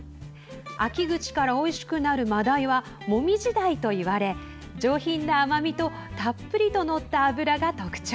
秋口からおいしくなるマダイはモミジダイといわれ上品な甘みとたっぷりとのった脂が特徴。